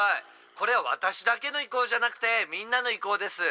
これは私だけの意向じゃなくてみんなの意向です。ですよね？」。